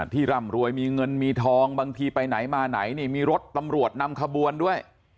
ร่ำรวยมีเงินมีทองบางทีไปไหนมาไหนนี่มีรถตำรวจนำขบวนด้วย